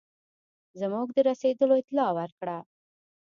زموږ د رسېدلو اطلاع ورکړه.